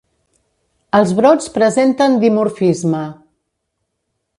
Els brots presenten dimorfisme.